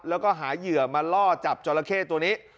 แล้วก็หาเหยื่อมาล่อจับจอราเข้ตัวนี้